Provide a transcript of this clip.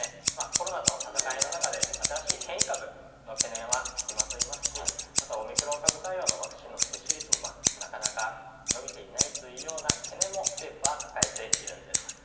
コロナとの闘いの中で新しい変異株は尽きませんしオミクロン株対応のワクチンの接種率もなかなか伸びていないという懸念も政府は抱えているんです。